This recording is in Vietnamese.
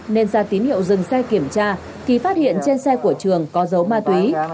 nên ra tín hiệu dừng xe kiểm tra thì phát hiện trên xe của trường có dấu ma túy